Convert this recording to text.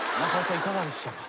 いかがでしたか？